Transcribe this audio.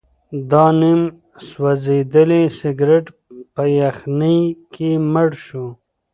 دا نیم سوځېدلی سګرټ په یخنۍ کې مړ شو.